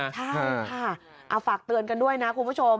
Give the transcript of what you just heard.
ใช่ค่ะฝากเตือนกันด้วยนะคุณผู้ชม